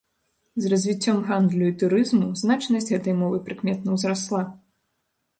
З развіццём гандлю і турызму значнасць гэтай мовы прыкметна ўзрасла.